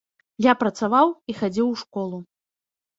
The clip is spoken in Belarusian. Я працаваў і хадзіў у школу.